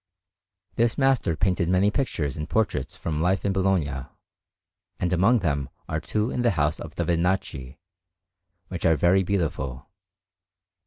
This master painted many pictures and portraits from life in Bologna, and among them are two in the house of the Vinacci, which are very beautiful.